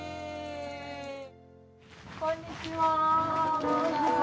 こんにちは。